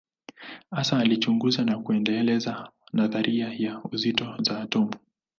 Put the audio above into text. Hasa alichunguza na kuendeleza nadharia ya uzito wa atomu.